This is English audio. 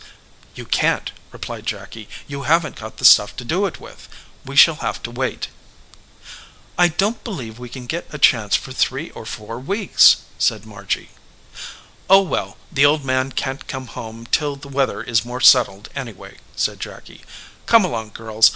"You can t," replied Jacky ; "you haven t got the stuff to do it with. We shall have to wait." "I don t believe we can get a chance for three or four weeks," said Margy. "Oh, well, the old man can t come home till the weather is more settled, anyway," said Jacky. "Come along, girls.